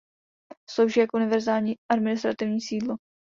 Slouží jako univerzitní administrativní sídlo.